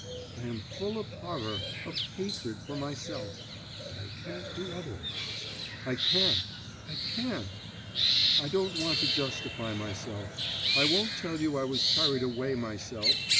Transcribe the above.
I am full of horror, of hatred for myself, but I can't do otherwise, I can't, I can't. I don't want to justify myself, I won't tell you I was carried away myself